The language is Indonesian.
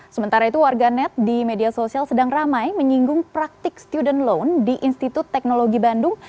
sementara itu warga net di media sosial sedang ramai menyinggung praktik student loan di institut teknologi bandung